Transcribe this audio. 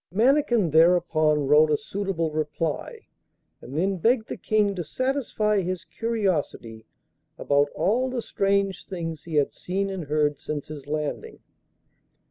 Mannikin thereupon wrote a suitable reply, and then begged the King to satisfy his curiosity about all the strange things he had seen and heard since his landing.